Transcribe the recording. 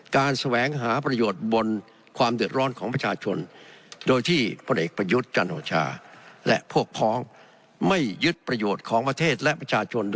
การแสวงหาประโยชน์บนความเดือดร้อนของประชาชน